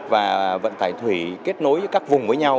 và vận tải thủy kết nối với các vùng với nhau